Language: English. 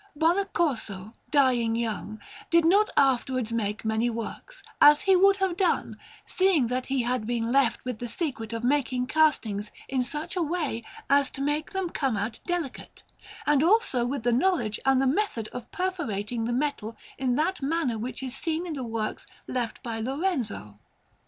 Bonaccorso, dying young, did not afterwards make many works, as he would have done, seeing that he had been left with the secret of making castings in such a way as to make them come out delicate, and also with the knowledge and the method of perforating the metal in that manner which is seen in the works left by Lorenzo.